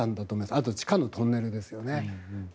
あと地下のトンネルですよね。